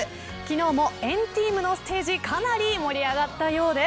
昨日も、＆ＴＥＡＭのステージかなり盛り上がったようです。